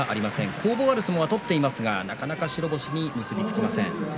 攻防のある相撲を取っていますがなかなか白星に結び付きません。